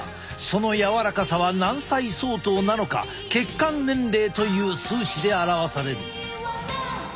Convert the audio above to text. その柔らかさは何歳相当なのか血管年齢という数値で表される。